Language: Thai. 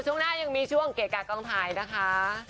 ช่วงหน้ายังมีช่วงเกะกะกองถ่ายนะคะ